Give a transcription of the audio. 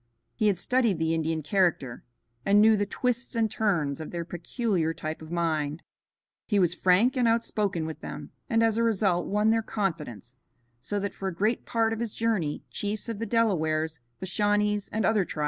He had studied the Indian character and knew the twists and turns of their peculiar type of mind. He was frank and outspoken with them, and as a result won their confidence, so that for a great part of his journey chiefs of the Delawares, the Shawnees and other tribes traveled with him.